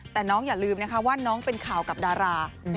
แต่น้องอย่าลืมนะคะว่าน้องเป็นข่าวกับดารา